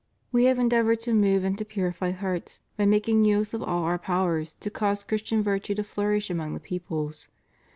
We have endeavored to move and to purify hearts by making use of all Our powers to cause Christian virtue to flourish among the peoples.